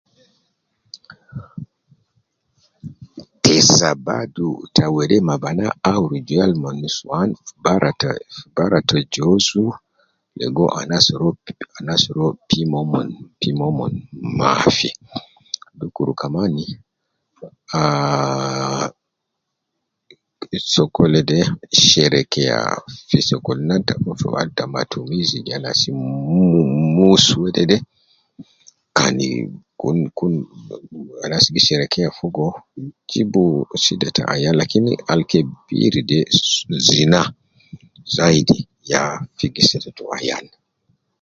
Tesa badu ta wele ma bana, awu rujal ma nusuwan, al bara ta joozu, logo anas ruwa pima umon mma. Dukur kaman aaa, fisokol de fi sherekeya fi sokolin ta matumizi ja mus de anas al gisherekeya fogo. Dukur al kebir ya zina, ya gi setetu ayan.